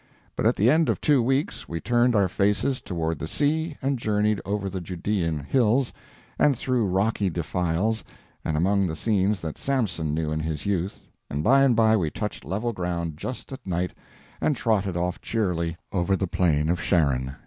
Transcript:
But at the end of two weeks we turned our faces toward the sea and journeyed over the Judean hills, and through rocky defiles, and among the scenes that Samson knew in his youth, and by and by we touched level ground just at night, and trotted off cheerily over the plain of Sharon.